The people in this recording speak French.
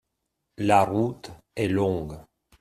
la route est longue.